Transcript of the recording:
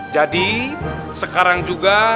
jadi sekarang juga